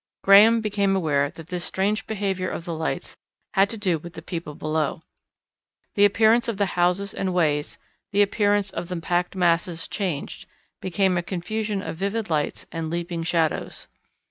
Graham became aware that this strange behaviour of the lights had to do with the people below. The appearance of the houses and ways, the appearance of the packed masses changed, became a confusion of vivid lights and leaping shadows.